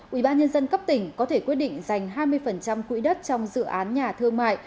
ủy ban nhân dân cấp tỉnh có thể quyết định dành hai mươi quỹ đất trong dự án nhà thương mại